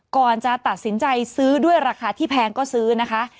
ก่อนจะตัดสินใจซื้อด้วยราคาที่แพงก็ซื้อนะคะ